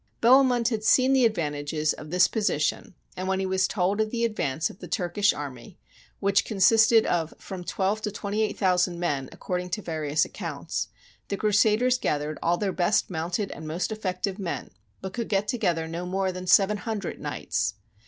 Bohemund had seen the advantages of this posi tion, and when he was told of the advance of the Turkish army (which consisted of from twelve to twenty eight thousand men, according to various accounts) the Crusaders gathered all their best mounted and most effective men, but could get together no more than seven hundred knights.